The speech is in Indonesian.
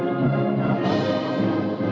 lagu kebangsaan indonesia raya